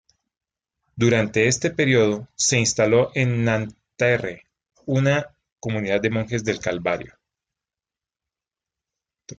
Durante este período se instaló en Nanterre una comunidad de monjes del Calvario.